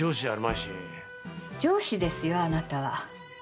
上司ですよ、あなたは。